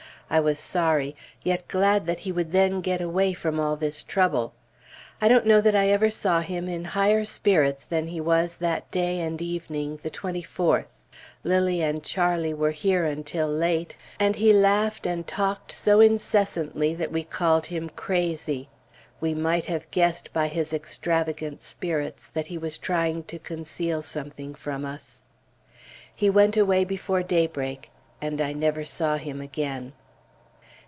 I was sorry; yet glad that he would then get away from all this trouble. I don't know that I ever saw him in higher spirits than he was that day and evening, the 24th. Lilly and Charlie were here until late, and he laughed and talked so incessantly that we called him crazy. We might have guessed by his extravagant spirits that he was trying to conceal something from us.... He went away before daybreak, and I never saw him again.